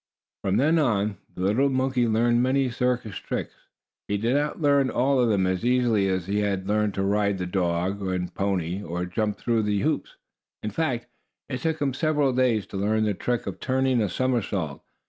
From then on, the little monkey learned many circus tricks. He did not learn all of them as easily as he had learned to ride the dog and pony, or jump through the hoops. In fact, it took him several days to learn the trick of turning a somersault.